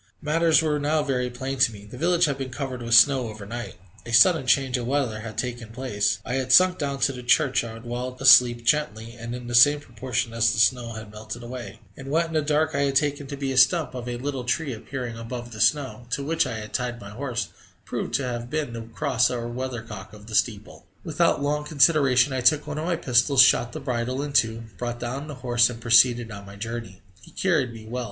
Matters were now very plain to me: the village had been covered with snow overnight; a sudden change of weather had taken place; I had sunk down to the church yard whilst asleep, gently, and in the same proportion as the snow had melted away; and what in the dark I had taken to be a stump of a little tree appearing above the snow, to which I had tied my horse, proved to have been the cross or weathercock of the steeple! Without long consideration I took one of my pistols, shot the bridle in two, brought down the horse, and proceeded on my journey. He carried me well.